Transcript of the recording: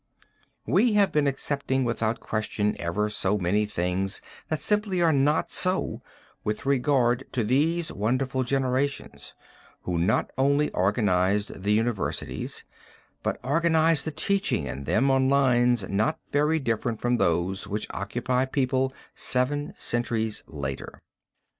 We have been accepting without question ever so many things that simply are not so with regard to these wonderful generations, who not only organized the universities but organized the teaching in them on lines not very different from those which occupy people seven centuries later.